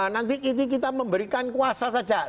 nanti ini kita memberikan kuasa saja